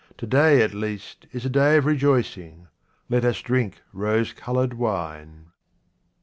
To day at least is a clay of rejoicing — let us drink rose coloured wine.